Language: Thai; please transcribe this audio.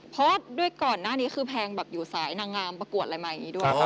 เพราะด้วยก่อนหน้านี้คือแพงแบบอยู่สายนางงามประกวดอะไรมาอย่างนี้ด้วยค่ะ